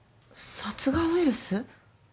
殺癌ウイルス？